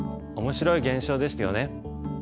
面白い現象でしたよね。